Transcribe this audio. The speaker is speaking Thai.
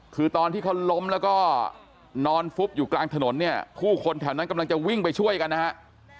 คือตอนที่เขาล้มแล้วก็นอนฟุบอยู่กลางถนนเนี่ยผู้คนแถวนั้นกำลังจะวิ่งไปช่วยกันนะฮะ